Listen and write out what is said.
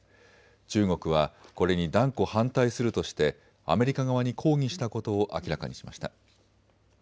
中国はこれに断固反対するとしてアメリカ側に抗議したことを明らかにしました。